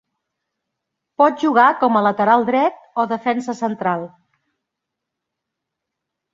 Pot jugar com a lateral dret o defensa central.